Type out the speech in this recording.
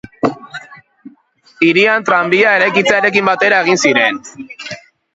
Hirian tranbia eraikitzearekin batera egin ziren.